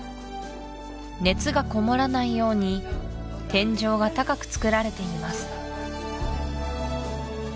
熱がこもらないように天井が高く造られています